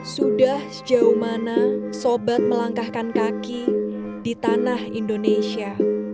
sudah sejauh mana sobat melangkahkan kaki di tanah indonesia